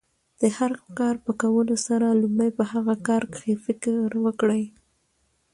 د هر کار په کولو سره، لومړی په هغه کار کښي فکر وکړئ!